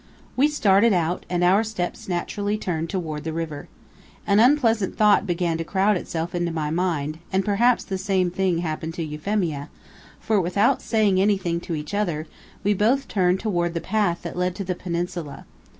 We started out, and our steps naturally turned toward the river. An unpleasant thought began to crowd itself into my mind, and perhaps the same thing happened to Euphemia, for, without saying anything to each other, we both turned toward the path that led to the peninsula.